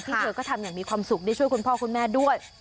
เธอก็ทำอย่างมีความสุขได้ช่วยคุณพ่อคุณแม่ด้วย